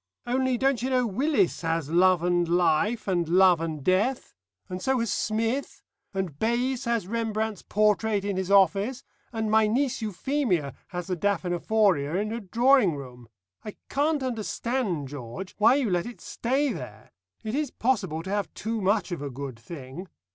Only, don't you know Willis has Love and Life and Love and Death? And so has Smith, and Bays has Rembrandt's portrait in his office, and my niece Euphemia has the Daphnephoria in her drawing room. I can't understand, George, why you let it stay there. It is possible to have too much of a good thing.